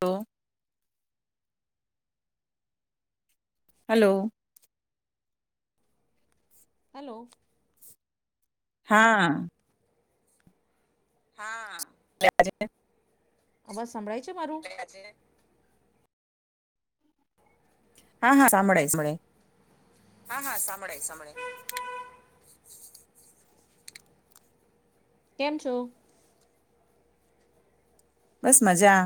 તો, hello, hello. હા. હા. [unintelligible] અવાસ સંભળાય છે મારું? હા, હા, સાંભળાય સભળાય. [inaudible] કેમ છો? બસ મજા.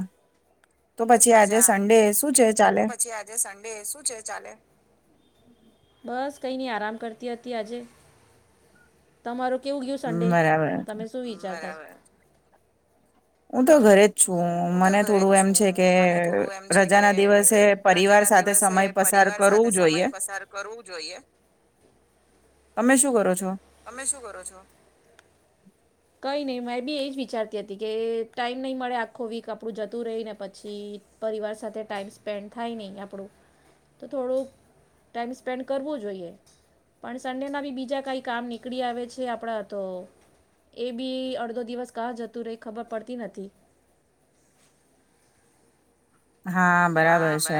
બસ મજા તો પછી આજે સન્ડે શું છે ચાલે બસ કઈ ની આરામ કરતી હતી આજે તમારું કેવું ગયું સંડે તમે શું વિચારતા હું તો ઘરે હું તો ઘરે જ છું મને થોડું એમ છે કે રજા ના દિવસે પરિવાર સાથે સમય પસાર કરવું જોઈએ. તમે શું કરો છો અમે શું કરો છો નહીં મેં બી એ જ વિચારતી હતી કે ટાઈમ નહીં મળે આખો વીક આપણું જતું રહી ને પછી પરિવાર સાથે ટાઈઇમ સ્પેન્ડ થાય નહીં આપણું તો થોડુંક ટાઈમ સ્પેન્ડ કરવું જોઈએ પણ સન્ડેના બી બીજા કાંઈ કામ નીકળી આવે છે આપણા તો એ બી અડધો દિવસ કાં જતું રે ખબર પડતી નથી. હા બરાબર છે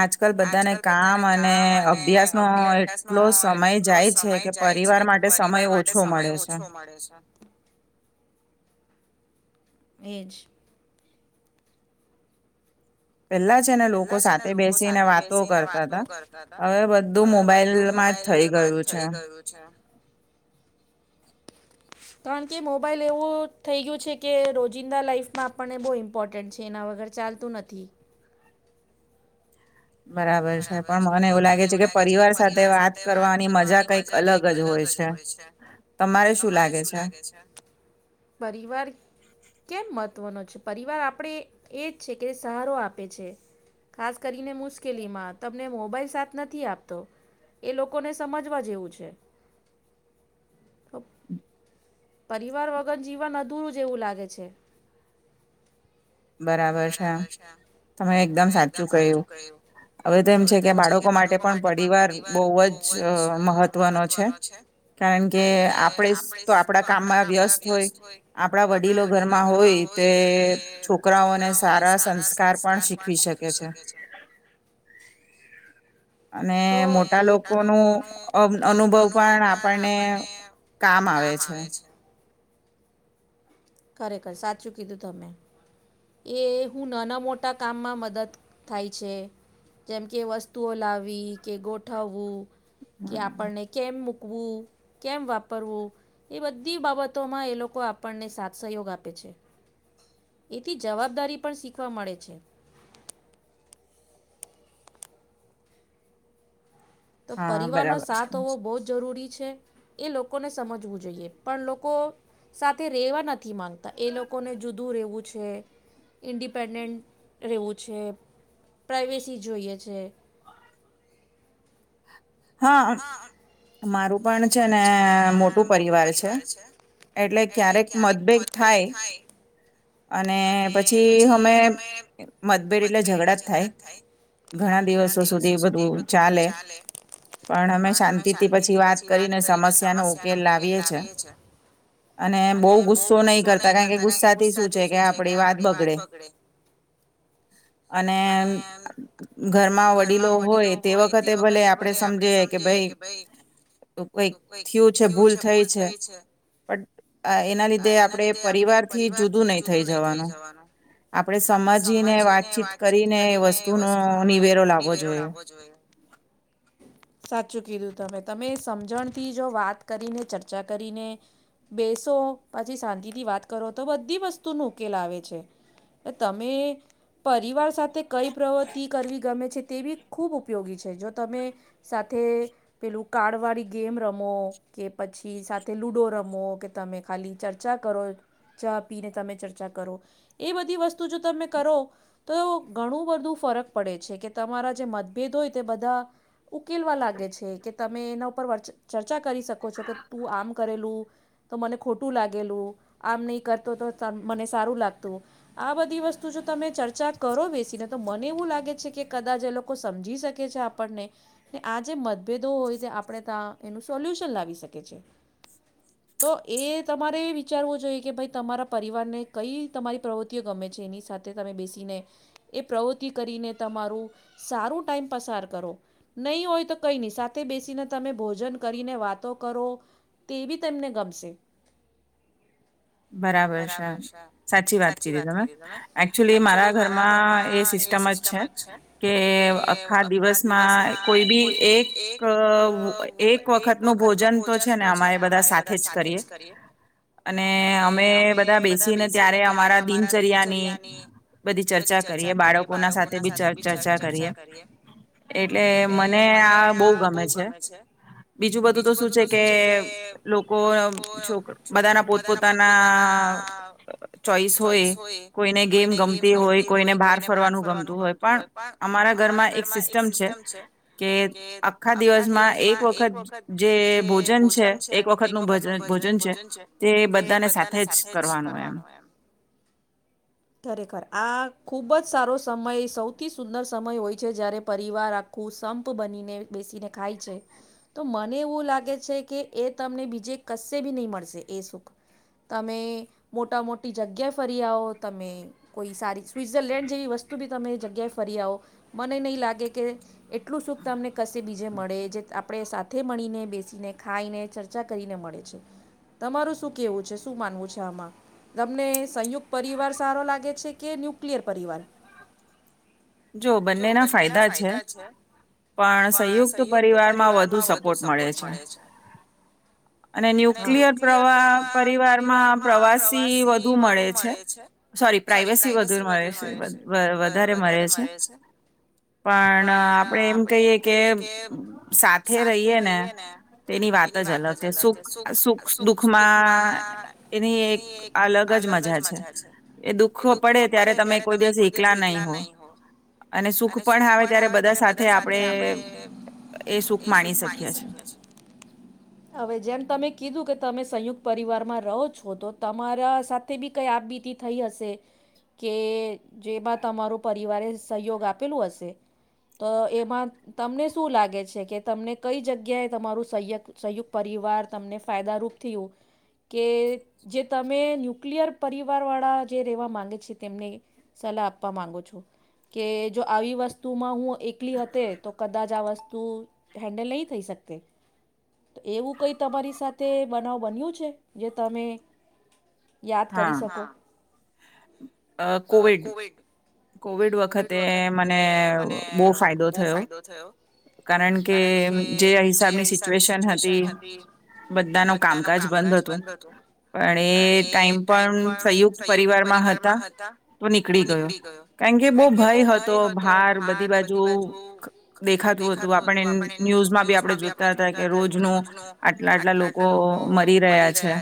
આજકાલ બધાને કામ અને અભ્યાસનો એટલો સમય જાય છે કે પરિવાર માટે સમય ઓછો મળે છે. એજ. પેલા છે ને લોકો સાથે બેસીને વાતો કરતા હતા હવે બધું મોબાઈલમાં જ થઈ ગયું છે. કારણ કે મોબાઈલ એવું થઈ ગયું છે કે રોજિંદા લાાઈફમાં આપણને બહ ઇમ્પોર્ટન્ટ છે એના વગર ચાલતું નથી. બરાબર છે પણ મને એવું લાગે છે કે પરિવાર સાથે વાત કરવાની મજા કઈક અલગ જ હોય છે તમારે શું લાગે છે પરવાર કે મહ છે પરિવાર આપે એ જ છે કે સહારો આપે છે ખાસ કરીને મુશ્કેલ મુશ્કેલીમાં તમને મોબાઈલ સાથ નથી આપતો એ લોકોને સમજવા જેવું છે. ઓફ પરિવાર વગર જીવન અધૂરું જેવું લાગે છે. બરાબર છે આમ તમે એકદમ સાચું કહ્યું હવે તો એમ છે કે બાળકો માટે પણ પરિવાર બહુ જ મહત્વનો છે કારણ કે આપણે તો આપણા કામમાં વ્યસ્ત હોય આપણા વડીલો ઘરમાં હોય તે છોકરાઓ છોકરાઓને સારા સંસ્કાર પણ શીખવી શકે છે. અને મોટા લોકો ન અનુભવ પણ આપણને કામ આવે છે. ખરેખર સાચું કીધું તમે એ હું નાના મોટા કામમાં મદદ થાય છે જેમ કે વસ્તુઓ લાવવી કે ગોઠવવું કે આપણને કેમ મુ મકવું કેમ વાપરવું એ બધી બાબતોમાં એ લોકો આપણને સાથે સહયોગ આપે છે એથી જવાબદારી પણ શીખવા મળે છે. તો પરિવાર નો સાથ હોવો બહુ જરૂરી એ લોકોને સમજવું જોઈએ પણ લોકો સાથે રેવા નથી થી માંગતા એ લોકોને જુદું રહેવું. છે ઇન્ડિપેન્ડન્ટ રહેવું છે પ્રાઇવેસી જોઈએ છે. હા મારું પણ છે ને મોટું પરિવાર છે એટલે ક્યારેક [unintelligible] અને પછી અમે મતભેદ એટલે ઝઘડા જ થાય ઘણા દિવસો સુધી બધું ચાલે. પણ અમે શાંતિથી પછી વાત કરીને સમસ્યા નો ઉકેલ લાવીએ છે અને બહુ ગુસ્સો નહીં કરતા કારણ કે ગુસ્સાથી શું છે કે આપડી વાત બગડે અને ઘરમાં વડીલો હોય તે વખતે ભલે ભલે આપણે સમ જે કે ભાઈ કઈક થયું છે ભૂલ થઈ છે પણ એના લીધે આપણેે પરિવાર થી જુદું નહી થઈ જવાનું આપણેે સમજીને વાતચીત કરીને વસ્તુનો નિવેરો લાવવો જોઈએ. સાચું કીધું તમે તમે સમજણથી જો વાત કરીને ચર્ચા કરીને બેસો પાછી શાંતિથી વાત કરો તો બધી વસ્તુ ન ઉકેલ આવે છે તમે પરિવાર સાથે કઈ પ્રવૃતિ કરવી ગમે છે. તે બી ખૂબ ઉપયોગી છે જો તમે સાથે પેલું કારા્ડવાળી ગેમ રમો કે પછી સાથે લુડો રમો કે તમે ખાલી ચર્ચા કરો ચા પીને તમે ચર્ચા કરો એ બધી વસ્તુ જો તમે કરો તો ઘણું બધું ફરક પડે છે કે તમારા જે મતભેદ હોય તે બધા ઉકેલવા લાગે છે કે તમે એના ઉપર ચર્ચા કરી શકો છો કે તું આમ કરેલું તો મને ખોટું લાગેલું આમ નહી કરતો તો મને સારું લાગતું આ બધી વસ્તુ જો તમે ચર્ચા કરો બેસીને તો મને એવું લાગે છે કે કદાચ એ લોકો સમજી શકે છે આપણને ને આ જે મતભેદો હોય તે આપણે ત્યા એનું સોલ્યુશન લાવી શકી છે તો એ તમારે વિચારવું જોઈએ કે ભાઈ તમારા પરિવારને કઈ તમારી પ્રવૃત્તિઓ ગમે છે એની સાથે તમે બેસીને એ પ્રવૃતિ કરીને તમારું સારું ટાઈમ પસાર કરો નહીં હોય તો કંઈ નહીં સાથે બેસીને તમે ભોજન કરીને વાતો કરો તે બી તમને ગમશે બરાબર છે સાચી વાત કીધી તમે એકચુલી મારા ઘરમાં એ સિસ્ટમ જ છે કે આખા દિવસમાં કોઈ બી એક એક વખતનું ભોજન તો છે ને અમે બધા સાથે જ કરીએ અને અમે બધા બેસીને ત્યારે અમારા દિનચર્યાની બધી ચર્ચા કરીએ બાળકોના સાથે બી ચર્ચા કરીએ એ એ મને આ બહુ ગમે છે બીજું બધું તો શું છે કે લોકો છોક બધાના પોત પોતાના ચોઈસ હોય કોઈને ગેમ ગમતી હોય કોઈને બહાર ફરવાનું ગમતું હોય પણ અમારા ઘરમાં એક સિસ્ટમ છે કે આખા દિવસમાં એક વખત જે ભોજન છે એક વખતનું ભજન છે તે બધા બધા સાથે જ કરવાનું એમ ખરેખર આ ખુબ જ સારો સમય સૌથી સુંદર સમય હોય છે જયારે પરિવાર સંપ બનીને બેસીને ખાય છે તો મને એવું લાગે છે કે એ તમને બીજે કશે બી નહી મળશે એ સુખ તમે મોટા મોટી જગ્યા ફરી આવો તમે કોઈ સારી સ્વઝરલેન્ડ જેવી વસ્તુ બી તમે જગ્યાએ ફરી આવો મને નહી લાગે કે એટલું સુખ તમને કશે બીજે મળે જે આપણે સાથે મળીને બેસીને ખાઈને ચર્ચા કરીને મળે છે તમારું શું કેવું છે શું માનવું છે આમાં તમને સંયુક્ત પરિવાર સારો લાગે છે કે ન્યુક્લિયર પરિવાર જો બંનેના ફાયદા છે પણ સંયુક્ત પરિવારમાં વધુ સપોર્ટ મળે છે અને ન્યુક્લિયર પ્રવા પરિવારમાં પ્રવાસી વધુ મળે છે સોરી પ્રાઈવેસી વધુ મળે છે વધારે મળે છે પણ આપ આપણે એમ કહીએ કે સાથે રહીયએ ને તેની વાત જ અલગ છે સુખ સુખ દુખમાં એની એક અલગ જ મજા છે એ દુખો પડે ત્યારે તમે કોઈ દિવસ એકલા નહી હો અને સુખ પણ આવે ત્યારે બધા સાથે બધા સાથે આપણે એ સુખ માણી શકીએ છેહવે જેમ તમે કીધું કે તમે સંયુક્ત પરિવારમાં રહો છો તો તમારા સાથે બી કઈ આપવીતિ થઈ હશે કે જેમાં તમારો પરિવારે સહયોગ આપેલું હશે તો એમાં તમને શું લાગે છે કે તમને કઈ જગ્યાએ તમારું સય સંયુક્ત પરિવાર તમને ફાયદારૂપ થયું કે જે તમે ન્યુક્લિયર પરિવારવાળા જે રહેવા માગે છે તેમને સલાહ આપવા માગો છો કે જો આવી વસ્તુમાં હું એકલી હતી તો કદાચ આ વસ્તુ હેન્ડલ નહીં થઈ શકતે તો એવું કંઈ તમારી સાથે બનાવ બન્યું છે જે તમે યાદ કરી શકો અ કોવિડ કોવિડ વખતે મને બોહ બો ફાયદો થયો કારણ કે જે હિસાબની સિચ્યુએશન હતી બધા નો કામકાજ બંધ હતું અને એ ટાઈમ પણ સંયુક્ત પરિવારમાં હતા તો નીકળી ગયો. કારણ કે બહુ ભય હતો ભાર બધી બાજુ. જો દેખાતું હતું આપને ન્યૂઝમાં બી આપણે જોતા હતા કે રોજ નુ આટલા આટલા લોકો મરી રહ્યા છે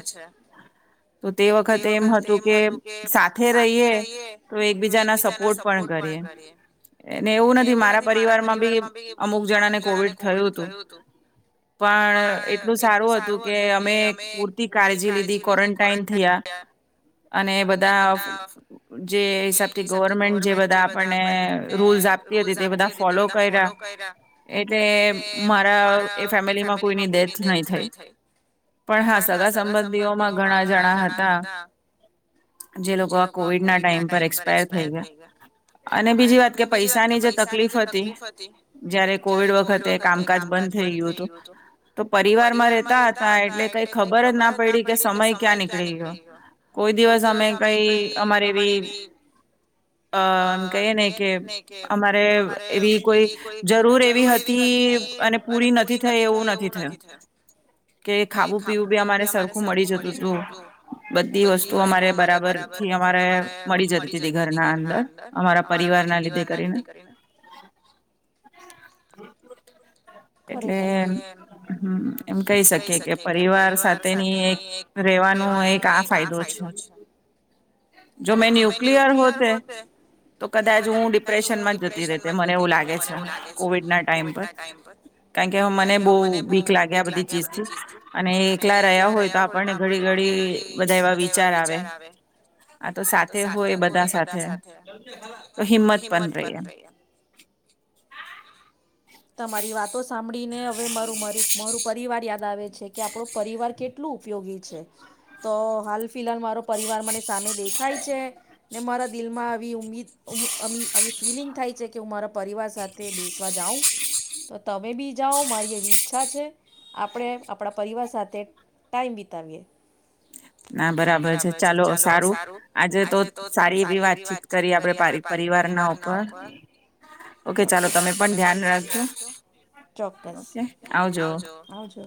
તો તે વખતે એમ હતું કે સાથે રહીએ તો એકબીજાના શ પોર્ટ પણ કરયે એવું નથી મારા પરિવારમાં બી અમુક જણાને કોવિડ થયું હતું પણ એટલું સારું હતું કે અમે પૂરતી કાળજી લીધી ક્વોરન્ટાઈન થિયા. અને બધા જે હિસાબથી ગોવા ગવર્મેન્ટ જે બધા આપને રૂલ્સ આપતી હતી તે બધા ફોલો કર્યા, એલે મારા એ ફેમિલીમાં કોઈની ડેથ નહી થઈ, પણ હા સગા સંબંધીઓમાં ઘણા જણા હતા. જે લોકો આ કોવિડ ના ટાઈમ પર એક્સપાયર થઈ ગયા. અને બીજી વાત કે પૈસાની જે તકલીફ હતી જયારે કોવિડ વખતે કામકાજ બંધ થઈ ગયું હતું તો પરિવાર માં રહેતા હતા એટલે કઈ ખબર જ ના પડી કે સમય ક્યાં નીકળી ગયો કોઈ. દિવસ અમે કઈ અમારે એવી. અ એમ કહીયએ ને કે અમારે એવી કોઈ જરૂર એવી હતી અને પૂરી નથી થઈ એવું નથી થયું કે ખાવું પીવું બી અમારે સરખું મળી જતું હતું બધી વસ્તુ તું અમારે બરાબરથી અમારે મળી જતી હતી ઘરના અ અમા પરિવાર ના લીધે કરીને ખરેખર એટ એમ કહી શકી કે પરિવાર સાથેની એક રેવાનો એક આ ફાયદો છે જો મે ન્યુક્લયર હોતે તો કદાચ હું ડિપ્રેશનમાં જતી રહતી મને એવું લાગે છે કોવિડના ટાઈમ પર કારણ કે હ મને બહુ વીક લાગે આ બધી ચીજથી અને એકલા રહ્યા હોય તો આપણને ઘડી ઘડી બધા એવા વિચાર આવે આ તો સાથે હોય બધા સાથે. તો હિમ્મત બન રહી એ તમારી વાતો સાંભળીને હવે મારુંરી મારું પરિવાર યાદ આવે છે કે આપણો પરિવાર કેટલો ઉપયોગી છે તો હાલ ફિલહાલ મારો પરિવાર મને સામે દેખાય છે. ને મારા દિલમાં આવી ઉમ્મીદ અ આવી ફિલિંગ થાય છે કે હું મારા પરિવાર સાથે બેસવા જાઉં તો તમે બી જાઓ મારી એવી ઈચ્છા છે આપણે આપણા પરિવાર સાથે ટાઈમ વિતાવીએ. ના બરાબર છે ચાલો સારું આજે તો સારી એવી વાતચીત કરી આપડે પરિવારના ઉપર ઓકે ચાલો તમે પણ ધ્યાન રાખજો. ચોક્કસો આવજો.